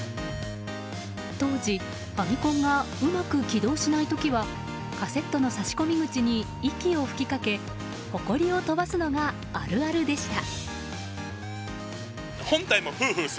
当時、ファミコンがうまく起動しない時はカセットの差し込み口に息を吹きかけほこりを飛ばすのがあるあるでした。